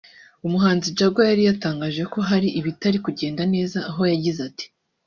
umuhanzi Jaguar yari yatangaje ko hari ibitari kugenda neza aho yagize ati